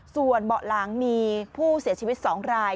ส่วนเบาะหลังมีผู้เสียชีวิต๒ราย